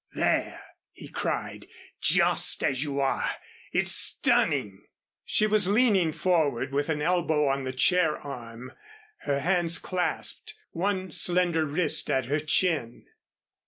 "There," he cried, "just as you are. It's stunning." She was leaning forward with an elbow on the chair arm, her hands clasped, one slender wrist at her chin.